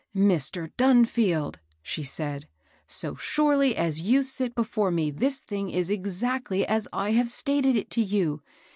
" Mr. Dunfield 1 " she said, " so surely as you sit before me this thing is exactly as I have stated Jt to jou.